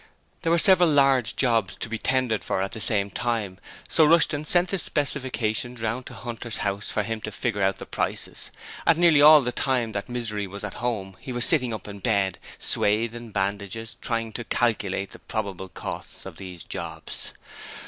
There were several large jobs to be tendered for at the same time, so Rushton sent the specifications round to Hunter's house for him to figure out the prices, and nearly all the time that Misery was at home he was sitting up in bed, swathed in bandages, trying to calculate the probable cost of these jobs.